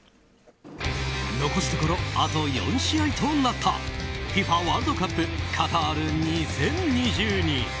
残すところあと４試合となったＦＩＦＡワールドカップカタール２０２２。